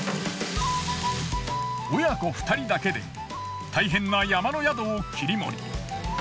親子２人だけで大変な山の宿を切り盛り。